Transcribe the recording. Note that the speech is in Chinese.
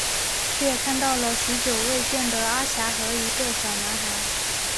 却看到了许久未见的阿霞和一个小男孩。